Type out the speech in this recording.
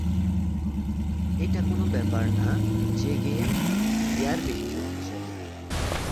এটা কোন ব্যাপার না যে গেম গিয়ার বেশি শক্তিশালী।